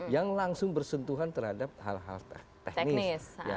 yang langsung bersentuhan terhadap hal hal teknis